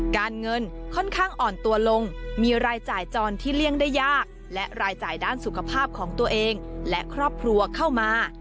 การเงินค่อนข้างอ่อนตัวลงมีรายจ่ายจรที่เลี่ยงได้ยากและรายจ่ายด้านสุขภาพของตัวเองและครอบครัวเข้ามา